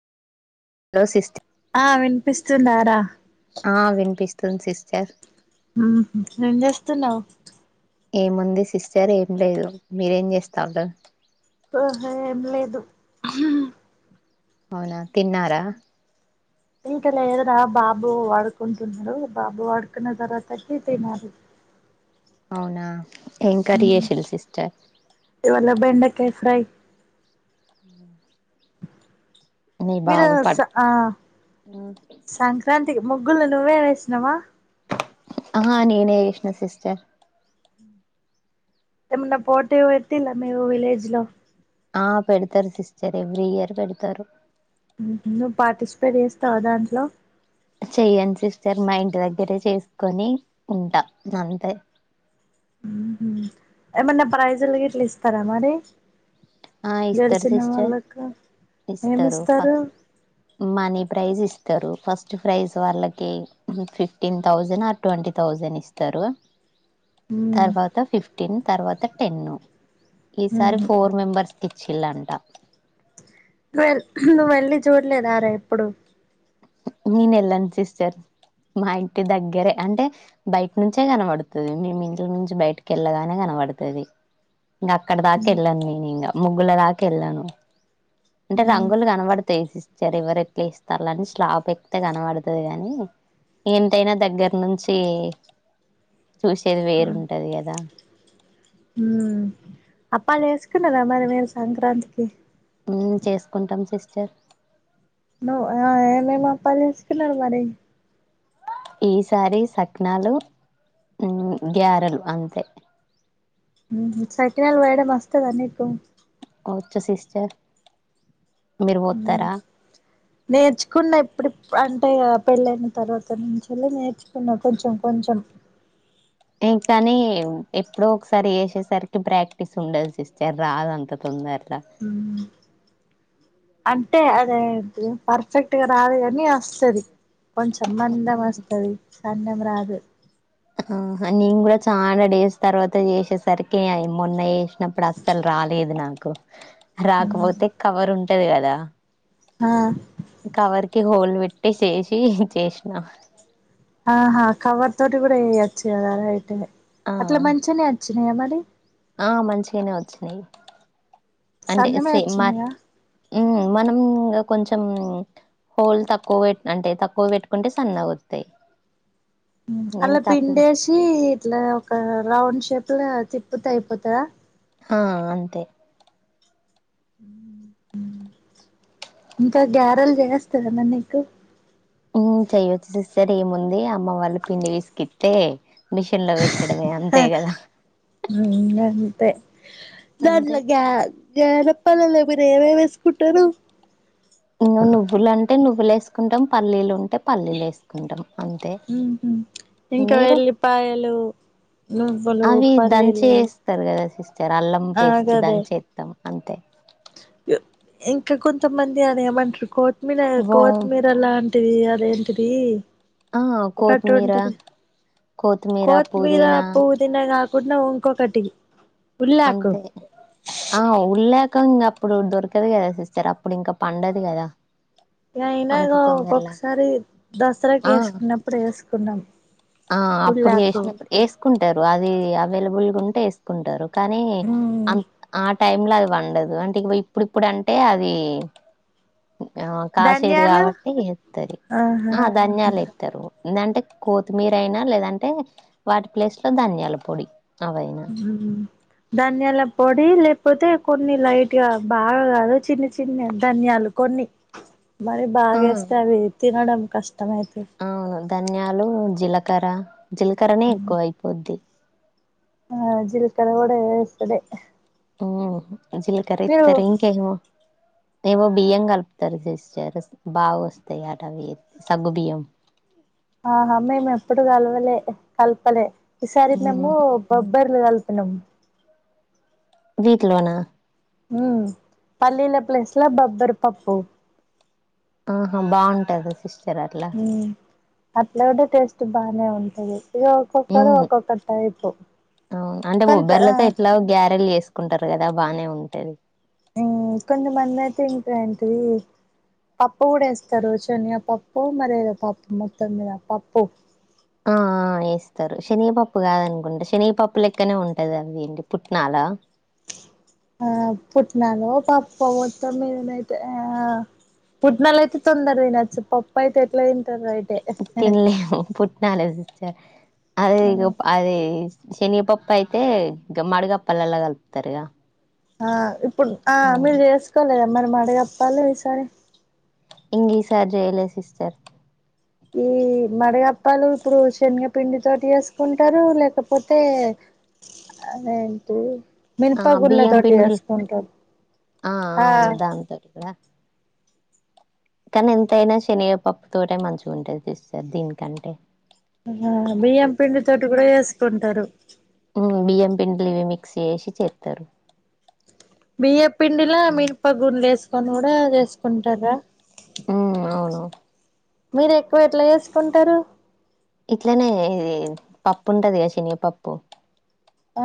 Hello సిస్ట ఆ వినిపిస్తున్నారా తన్ సిస్టర్ ఉహు ఏం చేస్తున్నావ్ ఏముంది సిస్టర్ ఏం లేదు మీరేం చేస్తాండ్రూ ఓహో ఏం లేదు అవునా తిన్నారా ఇంకా లేదు రా బాబు ఆడుకుంటున్నాడు బాబు ఆడుకున్న తర్వాత వచి తినాలి అవునా ఏం కర్రీ ఉ చేసిల్లు సిస్టర్ తెల్ల బెడాకాయ ఫ్రై ఉ మీ మీరు బాబు పడు ఆ సంక్రాం ముగ్గులు నువ్వే వేసినావా ఆ నేనే చేసిన సిస్టర్ ఏమన్న పోటీ పిట్టల్లా మీర విలేజ్ లో ఆ పెడతారు సిస్టర్ ఎవ్రీ ఇయర్ పెడతారు నువ్వు పార్టిసిపేట్ చేస్తావ దాంట్లో చెయ్యను సిస్టర్ మా ఇంటి దగ్గరే చేసుకొని ఉంటా అంతే ఏమన్న ప్రైజులు గిట్ల ఇస్తారా మరి ఆ ఇస్తారు గెలిచిన సిస్టర్ వాళ్ళకు ఇస్తారు ఏమిస్తారు మనీ ప్రైజ్ ఇస్తారు ఫస్ట్ ప్రైజ్ వాళ్ళకి ఫిఫ్టీన్ థౌజండ్ ఆ ట్వంటీ థౌజండ్ ఇస్తారు ఉమ్ తర్వాత ఫిఫ్టీన్ తర్వాత టెన్ను ఈసారి ఫోర్ మెంబర్స్ కిచ్చిల్లంట నువెల్ నువ్వు వెళ్ళి చూడలేదర ఎప్పుడు నేను వెళ్ళను సిస్టర్ మా ఇంటి దగ్గరే అంటే బయట నుంచే కనపడుతుంది మేమి ఇంటి నుంచి బయటికి వెళ్ళగానే కనపడుతుది ఇంక అక్కడ దాకా వెళ్ళను నీను ఇంగా ముగ్గుల రాతిరిలోనే అంటే మ్మ్ రంగులు కనబడితయి సిస్ చెర విరక్తి ఎట్లా ఇస్తారుని స్లాబ్ ఎక్తే కనపడుతది గాని ఏంతైనా దగ్గర నుంచి చూసేది వేరుంటది గదా మ్ అప్పాలు వేసుకున్నారా మరి మీరు సంక్రాంతికి ఉ చేసుకుంటాం సిస్టర్ నువ్వు ఆ ఎం ఎం అప్పాలు చేసుకున్నారు మరి ఈసారి శక్నాలు గ్యారలు అంతే ఊహూ సఖినాలు పోయడం వస్తదా నీకు వొచ్చు సిస్టర్ మీరు పొత్తరా నేర్చుకున్న ఇప్పుడిప్ అంటే పెళ్ళైన తర్వాత నుంచెలి నేర్చుకున్న కొంచెం కొంచెం ఏం పనీ ఎప్పుడో ఒకసారి చేసేసరికి ప్రాక్టీస్ ఉండదు సిస్టర్ రాదు అంత తొందర్ల అంటే అదేంటిది పర్ఫెక్ట్గా రాదు గానీ వస్తది కొంచం మందం వస్తది సన్న వ్రాదు హా నేను గూడా చానా డేస్ తర్వాత చేసేసరికి అయి మొన్న చేసినప్పుడు అస్సలు రాలేదు నాకు రాకపోతే కవర్ ఉం టది గదా ఆ కవర్ కి హోల్ పెట్టి సేసి చేసినా ఆహా కవర్ తోటి కూడా చేయచ్చు గదా రైటే ఆ అట్ల మంచినే వొచ్ యా మరి ఆ మంచిగనే వచ్చినయి సన్నమే అచ్చినయా ఉ మనం ఇగ కొంచెం హోల్ తక్కువ పెట్ అంటే తక్కువ పెట్టుకుంటే సన్నగా వత్తయి హ్మ్ అలా తక్కువ పిండేసి ఇట్లా ఒక రౌండ్ షేప్ ఇట్లా తిప్పుతె అయిపోతదా ఆ అంతే హ్మ్ హ్మ్ ఇంకా గ్యారెలు చేయస్ తర్న నీకు హ్మ్ చెయ్యొచ్చు సిస్టర్ ఏముంది అమ్మ వాళ్ళు పిండి పిసికిత్తే మిషన్ లో పెట్టడమే అంతే గదా తే అంతే గట్లగాద్ గ్యారప్పాలల్లో మీరు ఏమేం వేసుకుంటరు ను నువ్వులు అంటే నువ్వులు వేసుకుంటం పల్లీలు ఉం టే పల్లీలు వేసుకుంటం అంతే ఉహు ఇంకా మీరు వెల్లిపాయలు నువ్వులు అవి దంచి పల్లీలు వేస్తరు కదా సిస్ జర అల్లం ఆ పేస్ట్ గదే దంచేస్తాం అంతే ఇంకా కొంతమంది అది ఏమంటారు కోర్టు మీన వా కోత్మీర్ అలాన్ టివి అదేంటిది ఆ ఒకటి కోతిమీరా ఉంటది కోతిమీరా పుదీనా కుట్న ఉంకొకటి అంతే ఆ ఉల్లాక్ ఇంకా ఇంగ అప్పుడు దొరకదు కదా సిస్టర్ అప్పుడు ఇంకా పండదు గదా అయినాదో తొందరలా ఒకొక్కసారి దసరాకి ఆ వేసుకున్నప్పుడు వేసుకున్నాం ఆ అప్పుడు ఉల్లాకు చేసినప్పుడు ఏసుకు ఉంటారు అది అవైలబుల్ గా ఉంటే ఏసుకుంటారు కానీ మ్మ్ అం ఆ టైమ్ లో అది పండదు అంటే ఇగో ఇప్పుడిప్పుడు అంటే అది ఆ కాసేది ధనియాలు కాబట్టి ఎత్తది ఆహా ఆ ధన్యాలు ఏత్తరు ఎందంటే కోత్ మీరైనా లేదంటే వాటి ప్లేస్ లో ధన్యాల పొడి అవయినా ధన్యాల పొడి లేకపోతే కొన్ని లైట్‌గా బాగా కాదు చిన్న చిన్న ధన్యాలు కొన్ని మరి బాగేస్తే అవి తినడం కష్ ఆ ధన్యాలు జీల కరా జీలకరనే ఎక్కువ అయిపోద్ది ఆ జీల్కర కూడా వేస్తుదే హ జిల్కర మీరు ఇత్తరు ఇంకేమో ఏవో బియ్యం కలుపుతరు సిస్టర్ బాగా వస్తయి అటవి సగ్గు బియ్యం ఆహా మేము ఎప్పుడు కలవలే కల్పలే ఈసారి మేము బబ్బర్లు కల్ పన్నం వీట్లోనా ఉ పల్లీల ప్లేస్‌లో బబ్బర్ పప్పు ఆహా బాగుంటది సిస్ సెరట్లా అప్లైడ్ టేస్ట్ బానే ఉంటది ఇక ఉ ఒక్కొక్కరు ఒక్కొక్క టైపు అంటే కొంత బొబ్బర్లుతో ఎట్లా గో గ్యారెల్ చేస్తా కుంటారు గదా బాగానే ఉంటది. ఆ కొంతమంది అయితే ఇంకా ఏంటిది పప్పు కూడా వేస్తారు శనగపప్పు మరి ఏదో పప్పు మొత్తం మీద పప్పు. ఆ ఎస్తారు శనపప్పు కాదనుకుంట శనపప్పు లెక్కనే ఉంటంది అద ఏండి పుట్నాల. ఆ పుట్నాలు పాప్ప మొత్తం మీదనైతే ఆ పుట్నాలు అయితే తొందరగా తినొచ్చు పప్ప అయితే ఎట్లా తింటారు అతే. తినలే పుట్ నా లేదు అది ఇగొఅది శనిగపప్ప అయితే గమ్మాడిగప్పలలా కలుపుతారుగా ఆం ఆ మీరు చేసుకోలేదా మరి మడుగప్పలు ఈసారి ఇంగ్లీ సార్ చేయలే సిస్టర్ ఈ మడగప్పాలు ఇప్పుడు శనగపిండి తోటి చేసుకుంటారు లేకపోతే అదేంటి ఆ మినప గుళ్ళ బియ్యం తోటి పిండి చేసుకుంటారు ఆ ఆ అవును దా తడా కానీ ఎంతయినా శనగపప్పు తోటి మంచిగా ఉంటది చస్తారు దీనికంటే ఆ బియ్యం పిండి తోటి కూడా వేసుకుంటారు బియ్యం పిండి ఇవి మిక్స్ చేసి చేస్తారు బియ్య పిండిలా మినప గుళ్ళు వేసుకొని కూడా చెసుకుంటారా ఉం అవును మీరు ఎక్కువ ఎట్లా చేసుకుంటారు ఇట్లనే పప్పు ఉంటదిగా శనిగపప్పు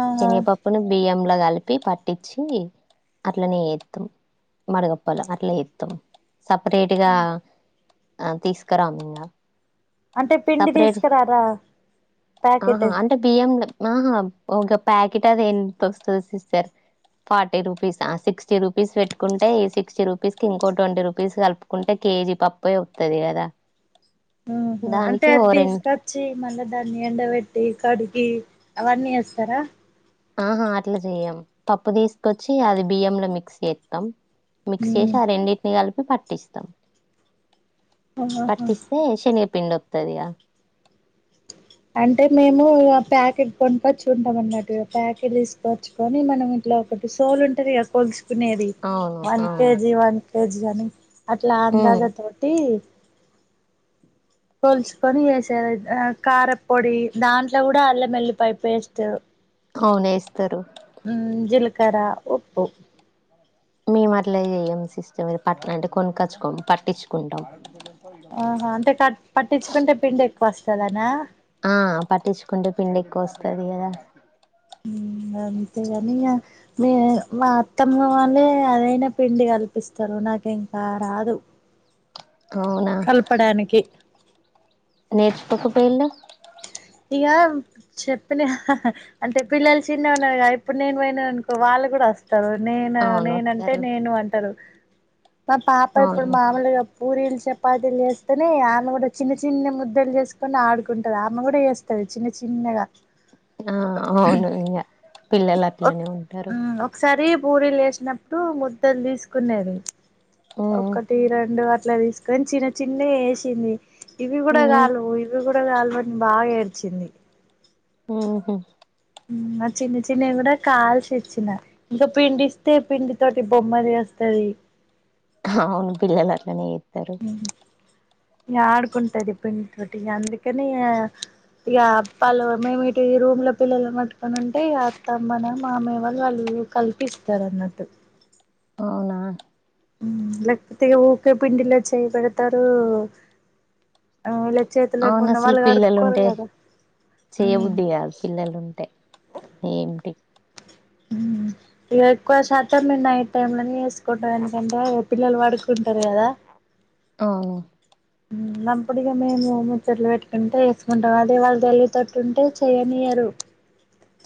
ఆహా శనిపాప్పును బియ్యం లా కలిపి పట్టించి అట్లనే చేత్తం మడగప్పలు అట్లనే త్రం సపరేట్ గా ఆ తీసుకురాం ఇంగ అంటే పిండి తీసుకురారా ప్యాకెట్ ఆహా ఒక ప్యాకెట్ అది ఎంత వస్తుంది సిస్టర్ ఫార్టీ రూపీస్ ఆ సిక్టీ రూపీస్ పెట్టుకుంటే ఇ సిక్టీ రూపీస్ కి ఇంకో ట్వంటీ రూపీస్ కలుపుకుంటే కేజీ పప్పు ఏ వస్తది కదా ఉ హు. అంటే దానికి ఓ అది రెండు తీసుకొచ్చి మళ్ళా దాన్ని ఎండబెట్టి కడిగి అవన్నీ చేస్తరా ఆహా అట్లా చెయ్యం పప్పు తీసుకొచ్చి అది బియ్యంలో మిక్స్ చేస్తాం మిక్స్ ఉమ్ చేసి ఆ రెండింటినీ కలిపి పట్టిస్తాం ఆహా పట్టిస్తే శనిగ పిండొత్తది గా అంటే మేము ప్యాకెట్ కొనుకొచ్చుకుంటాం అన్నట్టు ప్యాకెట్ తీసుకొచ్చుకొని మనం ఇట్లా ఒకటి సోల్ ఉంటది గా పొల్స్ తినేది అవును వన్ అవును కేజీ వన్ పోజ్రాన్ని అట్లా ఉమ్ అందాజతోటి ఆ కొల్చుకొని వేసార్ డ్ ఆ కార్పొడి దాంట్లో కూడా అల్లంవెల్లిపయ్ పేస్ట్ అవునేస్తారు ఉమ్ జీలకర ఉప్పు మేం అట్ల చెయం సిస్టర్ పట్ అంటే కొనుక్కచ్చుకోం పట్టించుకుంటాం. ఆహా అంటె పట్ పట్టించుకుంటే పిండి ఎక్కువస్తదనా ఆ పట్టించుకుంటే పిండి ఎక్కువ వస్తది కదా ఇంగ అంతేగాని ఇగ మీ మా అత్తమ్మ వాళ్ళే అదైనా పిండి కల్పిస్తరు నాకు ఇంకా రాదు. అవునా కలపడానికి నేర్చుకొక పోయిలు. ఇగా చెప్పినా హ హ అంటే పిల్లలు చిన్న ఉన్నారుగా ఇప్పుడు నేను పోయినను అనుకో వాళ్ళు కూడా వస్త నేను అవును నేనంటే వత్తరు నేను అంటారు మా పాప ఇప్పుడు అవును మామూలుగా పూరీలు చపాతీలు చేస్తేనే ఆమె కూడా చిన్న చిన్న ముద్దలు చేసుకొని ఆడుకుంటాది ఆమె కూడా వస్త చిన్న చిన్నగా ఆ అవును ఇంగా పిల్లలు ఒక్ అట్లనే ఉంటారు పూరీలు చేసినప్పుడు ముద్దలు తీసుకునది మ్మ్ ఒకటి రెండు అట్లా తీసుకొని చిన్న చిన్న చేసింది ఇవి కూడా మ్మ్ కాలు ఇవి కూడా కూడా కలవని బాగెడ్త వచ్చింది హుహు నా చిన్న చిన్నవి కూడా కాల్సి ఇచ్చిన ఇంకా పిండి ఇస్తే పిండి తోటి బొమ్మల్ చేస్తదీ అవును పిల్లలు అట్లనే చేత్ తారు ఇగ ఆడుకుంటది పిండితోటి ఇగ అందుకనే ఇగా ఇగ వాళ్ళు మేము ఇటు రూమ్ లో పిల్లల పట్టుకొని ఉంటే ఇక అత్తమ్మ నో మామయ్య వాళ్ళు వాళ్ళు కల్పిస్తారు అన్నట్టు అవునా లేక పోతే ఊకే పిండిలో చేయిబెడతారు ఆ లేక్ అవును అసలు కడుక్కోరు పిల్లలుంటే కదా ఉమ్ చేయబుద్ది కాదు పిల్లలుంటే ఏమిటి ఇగా ఎక్కువ శాతం మేమ్ నైట్ టైమ్ లోనే చేసుకుంటాం ఎందుకంటే పిల్లలు పడుకుంటారు కదా ఆ అప్పుడిగా మేము ముచ్చట్లు పెట్టుకుంట వేసుకుంటాం అదే వాళ్ళు తెల్లి తోటి ఉంటే చేయనియ్యరు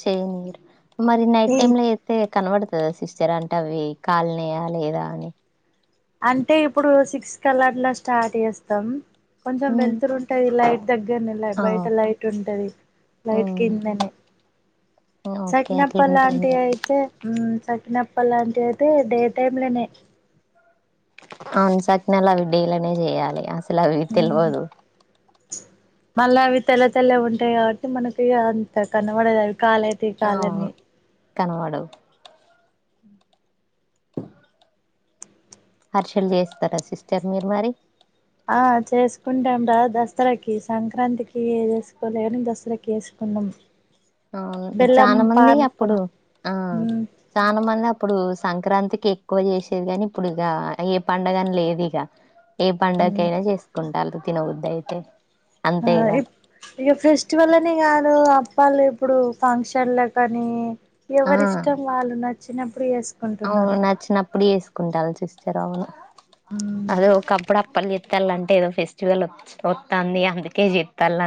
చేయనీరు మరి నైట్ టైమ్ లో చేస్తే కనబడుతదా సిస్టర్ అంటే అవి కాల్ నియా లేదా అని అంటే ఇప్పుడు సిక్స్ కల్లా స్టార్ట్ చేస్తాం. కొంచెం మ్మ్ వెళ్తురు ఉంటది లైట్ దగ్గరనేల్లే బయట అవును లైట్ ఉంటది లైట్ మ్మ్ కిందనే ఓకే చకినప్ప అట్లుంటే ఏం లాంటివి కాదు అయితే హ్మ్ సకినప్ప లాంటివి అయితే డే టైమ్ లానే అవును సకినాలు అవి డేలనే చేయాలె. ఎట్ల అవి తెల్వదు మళ్ళ అవి తెల్ల తెల్లవుంటయి కాబట్టి మనకి అంత కనపడేది అవి కాలయితే కాలనీ కనబడవ్ హర్షల్ చేస్తర సిస్టర్ మీరు మరి ఆ చేసుకుంటాం రా దసరకి సంక్రాంతికి చేసుకోలేను దసరకి చేసుకున్నం అవును బెల్లం చాన మందీ పానకం అప్పుడు ఆ మ్మ్ చాన మందిప్పు అప్పుడూ సంక్రాంతికి ఎక్కువ చేశేది గాని ఇప్పుడు ఇగా ఏ పండగని లేదు ఇగ ఏ పండకైనా చేసుకుంటాళ్ళు తిన బుద్ధిదైతే ఆ ఇప్ ఇగ ఫెస్టివల్ అనీ గాదు అప్పాల్ ఇప్పుడు ఫంక్షన్లల కనీ ఆ ఎవరిష్టం వాళ్ళు నచ్చ చిన్నప్పుడు చేసు అవును నచ్చినప్పుడు చెస్ కుంటాళ్ళు చిస్తరు అవును మ్మ్ అది ఒక్కపుడక్క పనిచెప్ వత్తంది అందుకే చెత్తాల